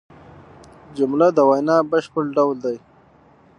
جمله د وینا بشپړ ډول دئ.